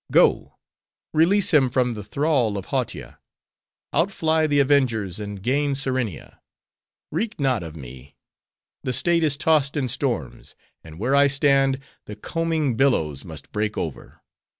Go: release him from the thrall of Hautia. Outfly the avengers, and gain Serenia. Reek not of me. The state is tossed in storms; and where I stand, the combing billows must break over.